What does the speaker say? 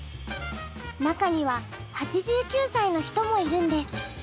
中には８９歳の人もいるんです。